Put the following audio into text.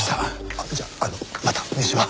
あっじゃあまた飯は。